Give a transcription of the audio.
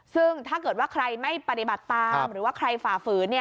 ซึ่งถ้าเกิดว่าใครไม่ปฏิบัติตามหรือว่าใครฝ่าฝืน